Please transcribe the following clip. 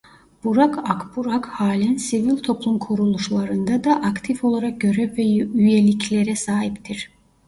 Burak Akburak halen sivil toplum kuruluşlarında da aktif olarak görev ve üyeliklere sahiptir.